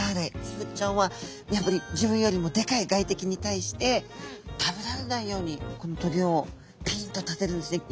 スズキちゃんはやっぱり自分よりもでかい外敵に対して食べられないようにこの棘をピンと立てるんですね。